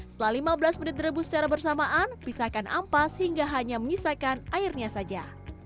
setelah lima belas menit direbus secara bersamaan pisahkan ampas hingga hanya menyisakan airnya saja